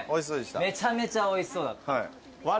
めちゃめちゃおいしそうだった。